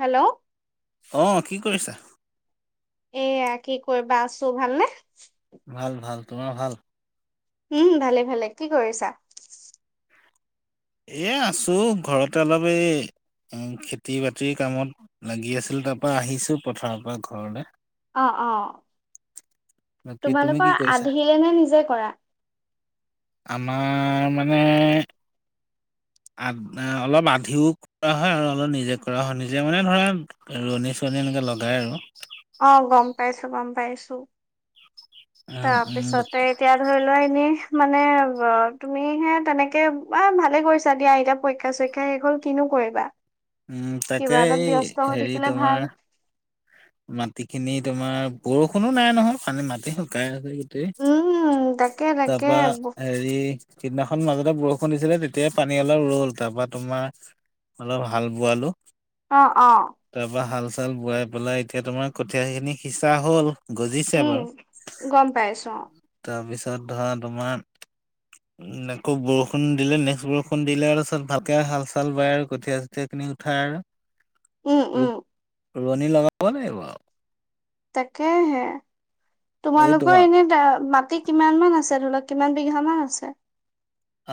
Hello অ' কি কৰিছা? এয়া কি কৰিবা আছোঁ, ভালনে? ভাল ভাল তোমাৰ ভাল। উম, ভালে ভালে কি কৰিছা? এই আছোঁ ঘৰতে অলপ এই। উম, খেতি বাতিৰ কামত লাগি আছিলোঁ। তাৰ পৰা আহিছোঁ পথাৰৰ পৰা ঘৰলে। অ' অ' বাকী তুমি তোমালোকৰ কি কৰিছা? আধিলে নে নিজে কৰা। আমাৰ মানে। আ অলপ আধিও কৰা হয় আৰু অলপ নিজে কৰা হয় নিজে মানে ধৰা ৰুৱনি চোৱনি এনেকে লগাই আৰু। অ' গ'ম পাইছোঁ, গ'ম পাইছোঁ। উম উম তাৰপিছতে এতিয়া। ধৰি লোৱা এনে মানে তুমিহে তেনেকে বা ভালে কৰিছা দিয়া এতিয়া। পৰীক্ষা চৰীক্ষা শেষ হ'ল কিনো কৰিবা, উম তাকে কিবা এটাত এই ব্যস্ত হৈ হেৰি থাকিলে তোমাৰ ভাল। মাটি খিনি তোমাৰ বৰষুণো নাই নহয়, পানী মাটি শুকাই। টেই উম তাকে তাকে তাৰপা এ এই কেইদিনাখননৰ মাজতে বৰষুণ দিছিলে, তেতিয়াই পানী অলপ ৰল তাৰপৰা তোমাৰ অলপ হাল বোৱালো। অ' অ' তাৰপৰা হাল চাল বোৱাই পেলাই এতিয়া তোমাৰ কঠীয়া খিনি সিঁচা হ'ল। গজিছে উম বাৰু। গম পাইছো অ', তাৰপিছত ধৰা তোমাৰ [inaudible] আকৌ বৰষুণ দিলে নেক্সট বৰষুণ দিলে তাৰকে হাল চাল বায় আৰু কঠীয়া চঠীয়াা কিনি উঠাই আৰু উম, উম। ৰুৱনি লগাব লাগিব আৰু। তাকেহে আৰু এই তোমালোকৰ তোমাৰ এনেই মাটি। কিমান মান আছে, ধৰি লোৱা কিমান বিঘা মান আছে।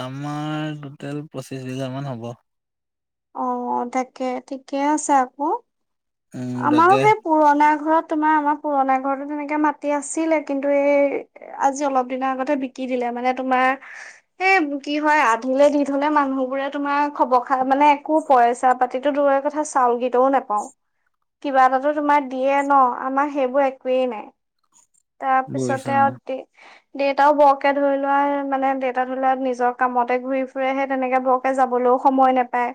আমাৰ টোটেল পঁচিছ বিঘাৰ মান হ'ব। অ' তাকে ঠিকে আছে আকৌ। উম আমাৰো তাকে সেই পুৰণা ঘৰত তোমাৰ আমাৰ পুৰণা ঘৰতো তেনেকে মাটি আছিলে। কিন্তু, এই আজি অলপ দিনৰ আগতে বিকি দিলে মানে তোমাৰ। এ কি হয় আধিলে দি থলে মানুহবোৰে তোমাৰ খবৰ খা মানে একো পইচা পাতিতো দৰোৰে কথা চাউল কেইটাও নেপাওঁ। কিবা এটাতো তোমাৰ দিয়ে ন আমাৰ সেইবোৰ একোৱেই নাই। বুজিছো তাৰপিছতে অ আৰু। দেউতাও বৰকে ধৰি লোৱা মানে দেউতা ধৰি লোৱা নিজৰ কামতে ঘূৰি ফুৰেহে তেনেকে বৰ যাবলৈও সময় নাপায়,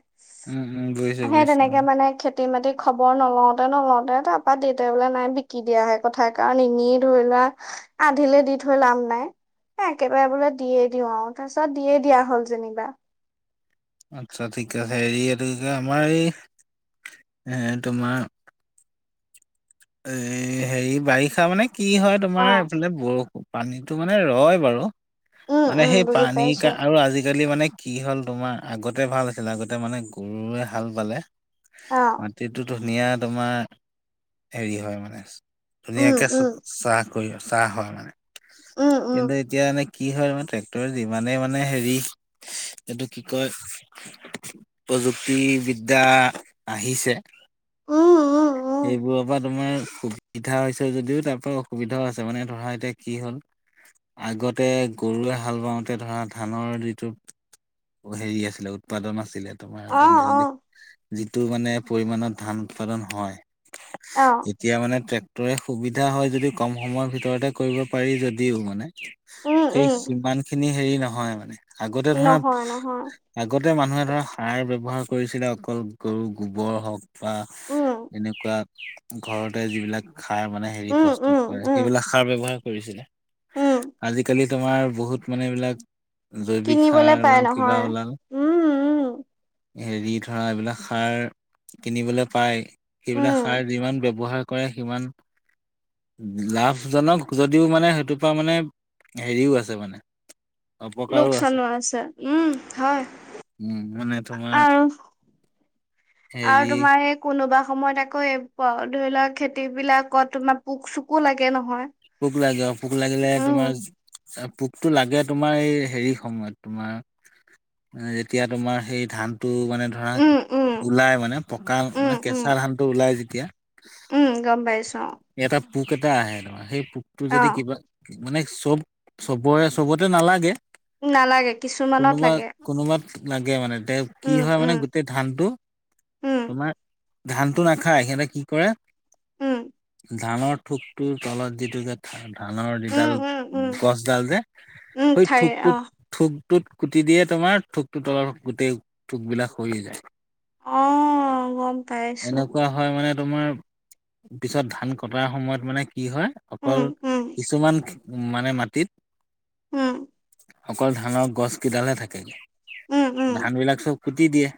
উম উম বুজিছো সেই বুজিছো তেনেকে অ খেতি খেতি মাটি খবৰ নলওঁতে নলওঁতে, তাৰপা দেউতাই বোলে নাই বিকি দিয়াাহে কথাই কাৰণ এনেই ধৰি লোৱা আধিলে দি থৈ লাভ নাই। এ কেবাৰে বোলে দিয়ে দিওঁ আৰু তাৰপিছত দিয়ে দিয়া হ'ল যেনিবা। আচ্ছা ঠিক আছে, হেৰি এইটো আমাৰ এই এ তোমাৰ এ হেৰি বাৰিষা মানে কি হয় তোমাৰ অ', এইফালে বৰষুণ। পানীতো মানে ৰয় বাৰু, উম, মানে উম, সেই বুজি পানী পাইছো আৰু আজিকালি মানে কি হ'ল তোমাৰ আগতে ভাল আছিল। আগতে মানে গৰুৱে হাল বালে। অ' মাটিতো ধুনীয়া তোমাৰ। হেৰি হয় মানে উম, ধুনীয়াকে উম, চাহ কৰি চাহ হয় মানে। [unintelligible] উম, উম। এতিয়া মানে কি হয় ত ট্ৰেক্টৰ যিমানে মানে হেৰি এইটো কি কয় প্ৰযুক্তি বিদ্যা আহিছে উম, উম, উম, এইবোৰক পৰা তোমাৰ সুবিধা হৈছে যদিও তাৰ পৰাৰা অসুবিধাও আছে মানে ধৰা এতিয়া কি হ'ল আগতে গৰুৱে হাল বাওঁতে ধৰা ধানৰ যিটো হেৰি আছিলে উৎপাদন আছিলে। অ', তোমাৰি অ', যিটো মানে পৰিমাণত ধান উৎপাদন হয়। অ' এতিয়া মানে ট্ৰেক্টৰে সুবিধা হয় যদি কম সময়ৰ ভিতৰতে কৰিব পাৰি যদিও মানে উম, সেই উম, সিমান খিনি হেৰি নহয় মানে আগতে ধৰা নহয়, নহয়। আগতে মানুহে ধৰক সাৰ ব্যৱহাৰ কৰিছিলে অকল গৰু গোবৰ হওক বা উম, এনেকুৱা ঘৰতে যিবিলাক খাৰ মানে হেৰি উম, প্ৰস্তুত উম, কৰে উম, সেইবিলাক খাৰ ব্যৱহাৰ কৰিছিলে উম, আজিকালি তোমাৰ বহুত মানে এইবলাক জৈৱিক কিনিবলে সাৰ পাই ওলাল কিবা নহয়। ওলাল উম, উম, হেৰি ধৰা এইবিলাক সাৰ কিনিবলৈ পাই উম, সেইবিলাক সাৰ যিমান ব্যৱহাৰ কৰে সিমান লাভজনক যদিও মানে সেইটোৰ পৰা মানে হেৰিও আছে মানে লোকচানো আছে উম হয়। উম মানে তোমাৰ আৰু আৰু হেৰি তোমাৰ এই কোনোবা সময়ত আকৌ এই ধৰি লোৱা খেতি বিলাকত তোমাৰ পোক চোকো লাগে নহয়। পোক লাগে ও পোক লাগিলে উম, তোমাৰ পোকতো লাগে তোমাৰ এই হেৰি সময়ত তোমাৰ যেতিয়া তোমাৰ সেই ধানটো মানে ধৰা উম, উম, ওলাই মানে পকা উম, মানে উম, কেঁচা ধানটো ওলাই যেতিয়া উম গম পাইছো। অ', এটা পোক এটা আহে সেই পোকটো যদি অ', কিবা মানে চব চবৰে চবতে নালাগে নালাগে কিছুমানত কোনোবা লাগে কোনোবাত লাগে মানে কি উম, হয় মানে উম, গোটেই ধানটো উম, তোমাৰ ধানটো নাখায় সিহঁতে কি কৰে উম ধানৰ থোকটোৰ তলত যিটো যে ধানৰ উম, যিডাল উম, উম, গছডাল যে উম, সেই ঠাৰি থোকটোত অ', থোকটোত কুটি দিয়ে তোমাৰ ঠোকটো তলৰ গোটেই থোক বিলাক সৰি যায়। অ', গম পাইছো, এনেকুৱা হয় মানে তোমাৰ পিছত ধান কটাৰ সময়ত মানে কি হয় উম, অকল উম, কিছুমান উম মানে মাটিত উম অকল ধানৰ গছ কেইডালহে থাকে উম, উম, ধান বিলাক চব কুটি দিয়ে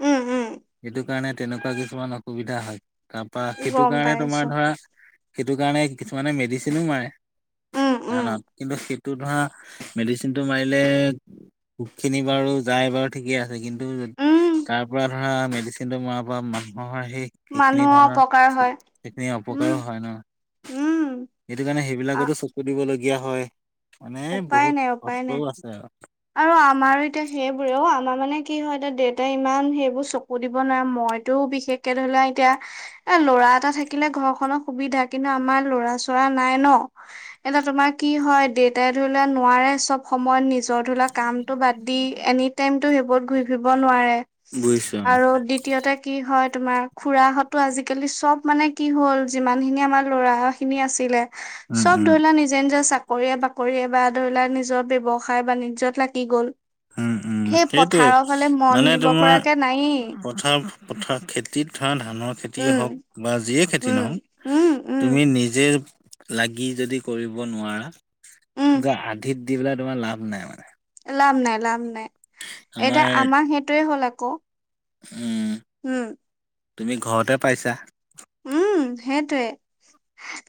উম, উম, সেইটো কাৰণে তেনেকুৱা কিছুমান অসুবিধা হয় তাৰপৰা সেইটো গম কাৰণে তোমাৰ পাইছো। ধৰা সেইটো কাৰণে কিছুমানে মেডিচিনো মাৰে উম, উম, ধানত কিন্তু ইটো ধৰা মেডিচিনটো মাৰিলে পক খিনি বাৰু যায় বাৰু ঠিকে আছে কিন্তু উম, তাৰ পৰা ধৰা মেডিচিনটো মৰা পৰা মানুহৰৰ সেই সেইখিনি মানুহৰ ধানৰ অপকাৰ হয় সেইখিনি অপকাৰো হয় ন উম উম সেইটো কাৰণে আ সেইবিলাকতো চকু দিবলগীয়া হয় মানে উপায় বহুত নাই, উপায় নাই। কষ্টও আছে আৰু আৰু আমাৰ এতিয়া সেইবোৰেও আমাৰ মানে কি হয় এতিয়া দেউতাই ইমান সেইবোৰ চকু সুধিব নোৱাৰা মইতো বিশেষকে ধৰি লোৱা এতিয়া এ ল'ৰা এটা থাকিলে ঘৰখনৰ সুবিধা কিন্তু আমাৰ ল'ৰা চ'ৰা নাই ন এতিয়া তোমাৰ কি হয় দেউতাই ধৰি লোৱা নোৱাৰে চব সময় ঘৰ তোলা কামটো বাদ দি এনি টাইমটো সেইবোৰ কৰি ফুৰিব নোৱাৰে বুজিছো আৰু দিদ দিতীয়তে কি হয় তোমাৰ খুৰাহঁতো আজিকালি চব মানে কি হ'ল যিমানখিনি আমাৰ ল'ৰা খিনি আছিলে উম চব উম ধৰি লোৱা নিজে নিজৰ চাকৰিয়ে বাকৰিয়ে বা ধৰি লোৱা নিজৰ ব্যয়ৱসায় সায় বাণিজ্যত লাগি গ'ল উম উম সেই সেইটোৱে পথাৰৰ ফালে মন মানে দিব তোমাৰ পৰাকে নায়েই পথাৰ পথাৰ খেতিত ধৰা ধানৰ খেতিয়ে উম, হওক বা যিয়ে খেতি উম, দিনত উম, উম, তুমি নিজে লাগি যদি কৰিব উম, নোৱাৰা আধিত দি পেলাই তোমাৰ লাভ নাই মানে লাভ নাই লাভ নাই এতিয়া আমাৰ সেইটোয়ে হ'ল আকৌ উম উম তুমি ঘৰতে পাইছা উম সেইটোৱে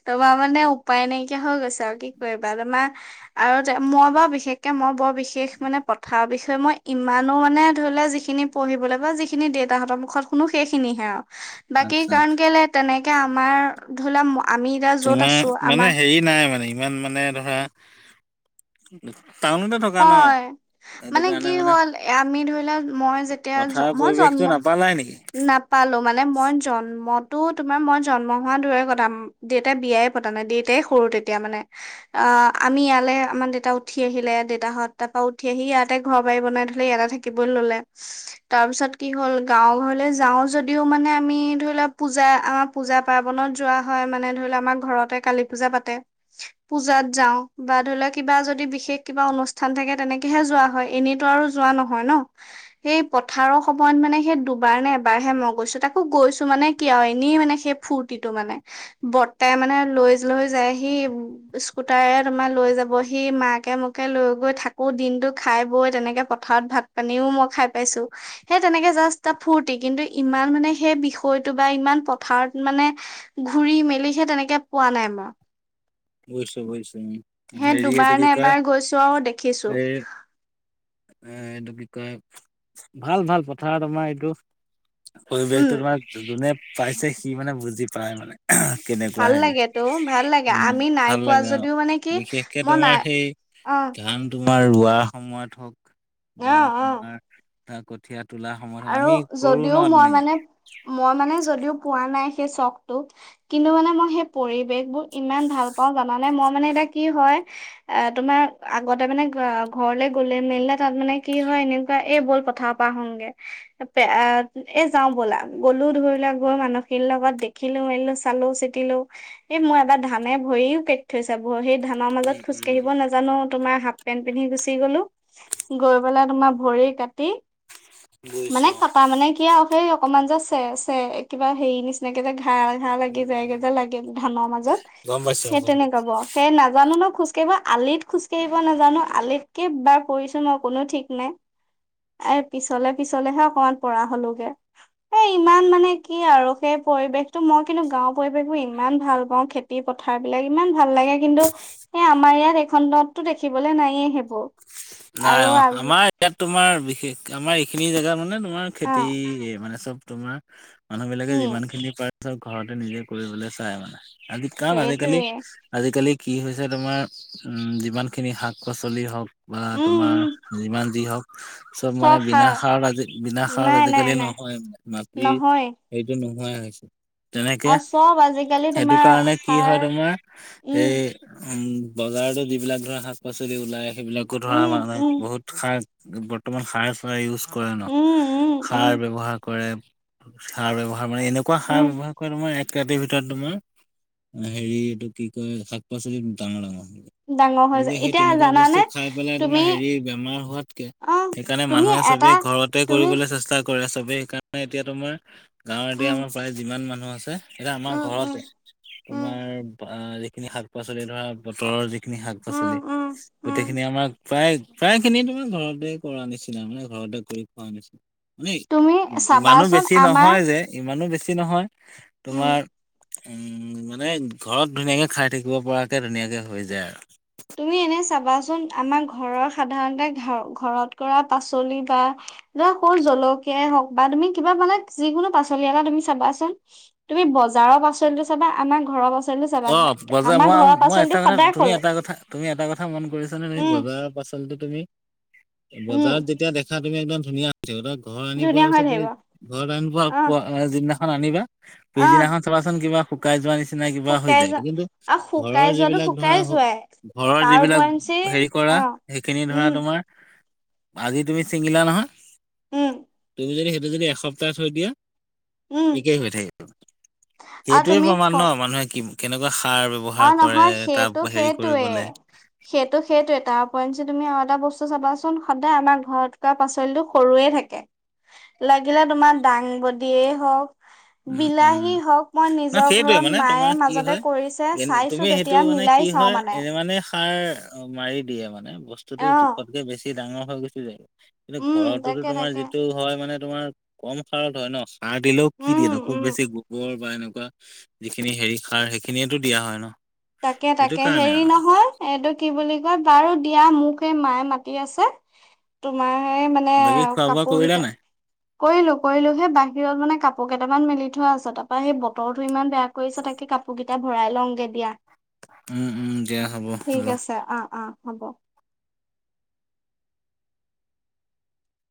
তোমাৰ মানে উপায় নাইকিয়া হৈ গৈছে আৰু কি কৰিবা তোমাৰ আৰু মই বাৰু বিশেষকে মই বৰ বিশেষ মানে পথাৰ বিষয়ে মই ইমানো মানে ধৰি ললে যিখিনি পঢ়িবলৈ বা যিখিনি দেউতাহঁতৰ মুখত শুনো সেইখিনিহে আৰু বাকী আচ্ছা কাৰণ আচ্ছা কেলে তেনেকে আমাৰ ধৰিলা তোমাৰ মানে হেৰি নাই মানে ইমান মানে পৰা টাউনতে থকা অ ন সেইটো মানে কি কাৰণে হ'ল আমি ধৰি লও মই যেতিয়া পথাৰৰ জন্ পৰিৱেশটো জন্ম নাপালাই নেকি নাপালো মানে মই জন্মতো তোমাৰ মই জন্ম হোৱাৰ দূৰে কটাম দেউতাই বিয়াই পতা নাই দেউতাই সৰু তেতিয়া মানে অ আমি ইয়ালে আমাৰ দেতা উঠি আহিলে দেউতাহঁত তাৰ পৰাা উঠি আহি ইয়াতে ঘৰ বাৰী বনাই ধলে ইয়াতে থাকি তাৰপিছ কি হল গাঁও হল যাওঁ যদিও মানে আমি ধৰি লওক পজা আমাৰ পূজা পাৰ্বণত যোৱা হয় মানে ধৰি লক আমাৰ ঘ কালী পূজা পাতে পুজাত যাও বা ধৰি লও কিবা যদি বিশেষ কিবা অনুষ্ঠান থাকে তেনেকেহে যোৱা হয় এনেতো আৰু যোৱা নহয় ন সেই পথাৰৰ সমান মানে দুগুণ এবাৰ নে এবাৰহে মই গৈছো তাকো গৈছো মানে কি আৰু এনেই মানে সেই ফূুৰ্তিটো মানে বৰ্তাই মানে লৈ লৈ যায় সি স্কুটাৰে তোমাৰ লৈ যাবহি মাকে মোকে লৈ গৈ থাকো দিনটো খাই বৈ তেনেকে পথাৰত ভাত পানীও মই খাই পাইছো সেই তেনেকে জাষ্ট তাত ফূৰ্তি কিন্তু ইমান মানে সেই বিষয়টো বা ইমান পথাৰত মানে ঘুৰি মেলিহে তেনেকে পোৱা নাই মই বুজিছোঁ বুজিছোঁ উম সেই হেৰি দুবাৰ এইটো কি নে কয় এবাৰ গৈছো আৰু দেখিছো এই এ এইটো কি কয় ভাল ভাল পথাৰত আমাৰ এইটো উম, পৰিৱেশটো তোমাৰ যোনে পাইছে সি মানে বুজি পায় মানে কেনেকুৱা ভাল হেৰি লাগেত তটো ভাল লাগে উম আমি নাই ভাল পোৱা লাগে অ যদিও মানে কি বিশেষকে মই তোমাৰ নাই সেই অ ধান তোমাৰ ৰোৱা সময়ত হওক বা অ', অ'। তোমাৰ কঠীয়া তোলা সময়ত আৰু আমি কৰো যদিও ন মই তেনেকে মানে মই মানে যদিও পোৱা নাই সেই চখটো কিন্তু মানে মই সেই পৰিৱেশবোৰ ইমান ভাল পাওঁ জানে মই মানে এতিয়া কি হয় অ তোমাৰ আগতে মানে ঘৰলে গলে মেলিলে তাত মানে কি হয় এনেকুৱা এই বল পথা সংগে এ যাওঁ ব'লা গ'লো ধৰি লোৱা গৈ মানসিৰ লগত দে ৰাখিলো মাৰিলো চালো চিটিলো এই মই এটা ধানে ভৰিও কেট থৈছা ব সেই ধানৰ উম মাজত খোজ উম কাৰিব নাজাও জানো তোমাৰ হাফ পেন্ট পিন্ধি গুচি গলো, গৈ পেলাই তোমাৰ ভৰি কাটি মানে বুজিছো অ কটা মানে কি আৰু সেই অকমান যে চে চ কিবা হেৰি নিচিনাকে যে খাই। ঘাঁহ লাগি উম উম যায়গেই যে লাগে ধানৰ মাজত, গম পাইছো অ সেই গম পাইছো তেনেকুৱা বাৰু। সেই নাজানো ন খোজকাঢ়িব আলিত খোজ কঢ়িব নাজানো, আলিতকে বাৰ পৰিছো মই কোনো ঠিক নাই। এ পিছলে পিছলেহে অকমান পৰা হলোগে। এ ইমান মানে কি আৰু সেই পৰিৱেশতটো মই কিন্তু গাওৰ পৰিৱেশ বোৰ ইমান ভাল পাওঁ, খে পুতি পথাৰ বিলাক ইমান ভাল লাগে, কিন্তু এ আমাৰ ইয়াত এই খণ্ডতো দেখিবলৈ নাইয়ে সেইবোৰ। নাই আৰু অ' আজি আমাৰ ইয়াত তোমাৰ বিশেষ আমাৰ এইখিনি জোগাত মানে তোমাৰ অ খেতি মানে চব তোমাৰ মানুহ বিলাকে উম যিমান খিনি পাৰে চব ঘৰতে নিজে কৰিবলৈ চাই মানে আজি কাৰণ আজিকালি সেইটোৱে আজিকালি কি হৈছে তোমাৰ যিমানখিনি শাক পাচলি হওক বা উম উম তোমাৰ, যিমান যি হওক। চব চ মানে বিনা খা সাৰ আজ বিনা সাৰ নাই নাই আজিকালি নাই নহয়, মাটি নহয় এইটো নোহোৱাই হৈছে। তেনেকে, আৰু চব আজিকালি সেইটো তোমাৰ কাৰণে কি সাৰ হয়, তোমাৰ উম এই উম বজাৰতো যিবিলাক ধৰা শাক পাচলি ওলাই সেইবিলাকো ধৰা উম মানে উম বহুত সাৰ বৰ্তমান সাৰ চাৰ ইউজ কৰে ন, উম উম উম সাৰ ব্য্ৱহাৰ কৰে। সাৰ ব ব্যৱহাৰ মানে এনেকুৱা সাৰ উম ব্যৱহাৰ তোমাৰ এক ৰাতিৰ ভিতৰত তোমাৰ, হেৰি এইটো কি কয় শাক পাচলি ডাঙৰ ডাঙৰ ডাঙৰ হৈ গতিকে যায়, সেই এতিয়া তেনেকুৱা বস্তু জানে খাই পেলাই তোমাৰ হেৰি বেমাৰ হোৱাতকে, অ সেইকাৰণে তুমি মানুহে এটা চবে ঘৰতে তুমি কৰিবলৈ চেষ্টা কৰে চবেই সেইকাৰণে এতিয়া তোমাৰ, গাঁৱ এ দয়া উম আমাৰ প্ৰায় যিমান মানুহ আছে। এতিয়া আমাৰ উম উম ঘৰতে, উম তোমাৰ যিখিনি শাক পাচলি ধৰা বতৰৰ যিন চিকনি শাক উম পাচলি উম উম গোটেইখিনি আমাক প্ৰায় প্ৰায় খিনি তোমাৰ ঘৰতে কৰা নিচিনা মানে ঘৰতে কৰি খোৱা নিচিনা। মানে তুমি ইমানো চাবাচোন বেছি আমাৰ নহয় যে ইমানো বেছি নহয়, উম তোমাৰ উম মানে ঘৰত ধুনীয়াকে খাই থাকিব পৰাকে ধুনীয়াকে হৈ যায় আৰু। তুমি এনে চাবাচোন আমাৰ ঘৰৰ সাধাৰণতে ঘ ঘৰত কৰা পাচলি বা ধ সৰু জলকীয়াই হওক বা তুমি কিবা মানে যিকোনো পাচলি এটা তুমি চাবাচোন। তুমি বজাৰৰ পাচলি চাবা, আমাৰ ঘৰৰ পাচলি চাবা অ বজাৰ আমাৰ মই ঘৰৰ মই এটা পাচলি কথা সদায় তুমি সৰু। এটা কথা তুমি এটা কথা মন কৰিছা নে, তুমি উম বজাৰৰ পাচলো তুমি বজাৰত উম যেতিয়া দে া তুমি একদম ধুনীয়া আনিছ ত ঘৰত আনি পোৱা ধুনীয়া হৈ পিছত তুমি থাকিব ঘৰত আন পোৱা প আহ যিদিনাখন আনিবা। আহ পিছদিনাখন চাবাচোন কিবা শুকাই যোৱা নিচিনাক কিবা হৈ শুকাই যায়, যা কিন্তু আৰু শুকাই ঘৰৰ যোৱাটো যিবিলাক ধৰা, শুকাই যোৱাই ঘৰৰ তাৰ যিবিলাক উপৰেঞ্চি হেৰি কৰা অ সেইখিনি ধৰা উম তোমাৰ, আজি তুমি চিঙিলা নহয়। উম। তুমি যদি সেইটো যদি এস্তাহ থৈ দিয়া। উম একেই হৈ থাকিব, আৰু সেইটোৱে তুমি প্ৰমাণ খ ন মানুহে কি কেনেকুৱা সাৰ ব্যৱহাৰ অ' কৰে নহয় তাত সেইটো হেৰি সেইটোৱে। কৰিবলে সেইটো সেইটোৱে তাৰপইণ্ট যে তুমি আৰু এটা বস্তু চাবাচোন সদায় আমাৰ ঘৰত ক পাচলিটো সৰুয়ে থাকে। লাগিলে তোমাৰ দাংবডিয়ে হওক উম উম বিলাহী হওক মই ন নিজৰ সেইটোৱে ঘৰত মানে মায়ে তোমাৰ কি মাজতে হয় কৰিছে। এনে ছো তুমি সেইটো তেতিয়া মানে মিলাই কি চাও হয় মানে। এনে মানে সাৰ মাৰি দিয়ে মানে বস্তুতটো অ জোখতকে বেছি ডাঙৰ হৈ গুছি যায়। কিন্তু উম ঘৰতোতো তাকে তোমাৰ তাকে যিটো হয় মানে তোমাৰ কম সাৰত হয় ন সাৰ দিলেও কি দিয়ে উম ন খুব উম বেছি গোবৰ বা এনেকুৱা, যিখিনি হেৰি সাৰ সেইখিনিয়েতো দিয়া হয় ন। তাকে সেইটো তাকে কাৰণে হেৰি আৰু নহয় এইটো কি বুলি কয় বাৰু দিয়া মোক এই মায়ে মাতি আছে। তোমাৰ সে মানে বাকী খোৱা বোৱা কাপোৰ কৰিলা কেইতে নাই কৰিলো কৰিলো সেই বাহিৰত মানে কাপোৰ কেইটামান মেলি থোৱা আছে তাৰাপৰা সেই বতৰটোো ইমান বেয়া কৰিছ তাকে কাপোৰ কেইটা ভৰাই লওঁগে দিয়া। উম, উম। দিয়া হ'ব ঠিক যোৱা আছে অ', অ' হ'ব।